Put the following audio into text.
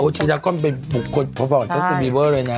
ทีนาคอมเป็นบุคคลขอบอกก็คือวีเวอร์เลยนะ